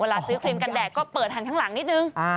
ซื้อครีมกันแดดก็เปิดหันข้างหลังนิดนึง